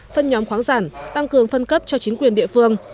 phân nhóm khoáng sản tăng cường phân cấp cho chính quyền địa phương